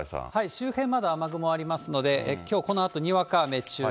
周辺まだ雨雲ありますので、きょうこのあとにわか雨注意。